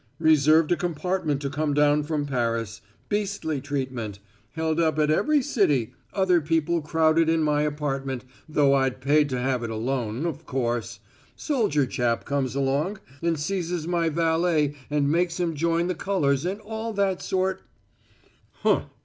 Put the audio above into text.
"Reserved a compartment to come down from Paris. Beastly treatment. Held up at every city other people crowded in my apartment, though I'd paid to have it alone, of course soldier chap comes along and seizes my valet and makes him join the colors and all that sort " "Huh!